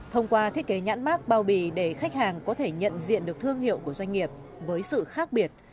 thông qua thiết kế nhãn mát bao bì để khách hàng có thể nhận diện được thương hiệu của doanh nghiệp với sự khác biệt